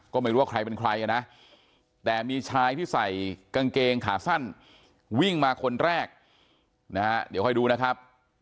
ก็ไม่รู้ว่าใครเป็นใครนะแต่มีชายที่ใส่กางเกงขาสั้นวิ่งมาคนแรกนะฮะเดี๋ยวค่อยดูนะครับ